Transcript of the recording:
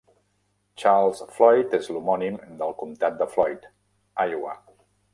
Charles Floyd és l'homònim del comtat de Floyd, Iowa.